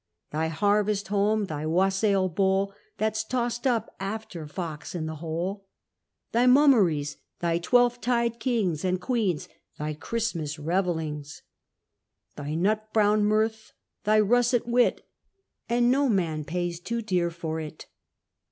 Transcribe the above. Thy harvest home; thy wassail bowl, That's toss'd up after Fox i' th' hole: Thy mummeries; thy Twelve tide kings And queens; thy Christmas revellings: Thy nut brown mirth, thy russet wit, And no man pays too dear for it.